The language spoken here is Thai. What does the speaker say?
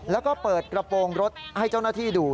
แล้วก็เปิดกระโปรงรถให้เจ้าหน้าที่ดู